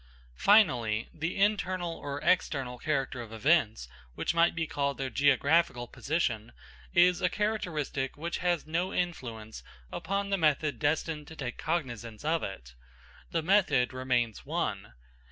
Finally, the internal or external character of events, which might be called their geographical position, is a characteristic which has no influence upon the method destined to take cognisance of it. The method remains one.